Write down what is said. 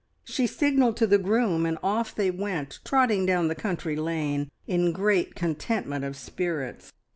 She signalled to the groom, and off they went, trotting down the country lane in great contentment of spirits.